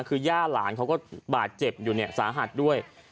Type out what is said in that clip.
คือย่าหลานเขาก็บาดเจ็บอยู่เนี่ยสาหัสด้วย